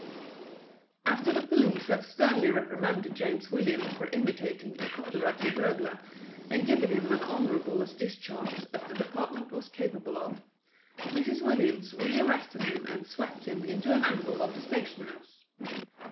After the police had sternly reprimanded James Williams for imitating a copyrighted burglar and given him as honourable a discharge as the department was capable of, Mrs. Williams rearrested him and swept him into an angle of the station house.